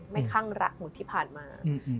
คั่งรักเหมือนที่ผ่านมา